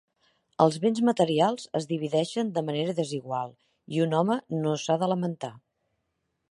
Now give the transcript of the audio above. Els béns materials es divideixen de manera desigual, i un home no s'ha de lamentar.